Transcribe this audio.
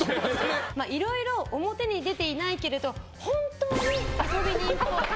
まあ、いろいろ表に出ていないけれど本当に遊び人っぽい。